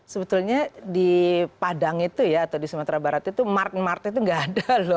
sebetulnya di padang itu ya atau di sumatera barat itu mark market itu nggak ada loh